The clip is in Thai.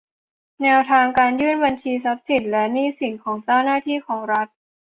แนวทางการยื่นบัญชีทรัพย์สินและหนี้สินของเจ้าหน้าที่ของรัฐ